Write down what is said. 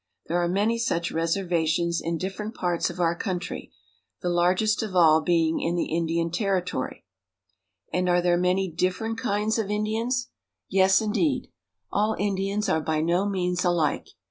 There are many such reservations in different parts of our country, the largest of all being in the Indian Territory. And are there many different kinds of Indians? Indian Chief — Black Bear. THE SAVAGES. 293 Yes, indeed ; all Indians are by no means alike.